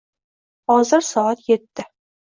Hozir soat yetti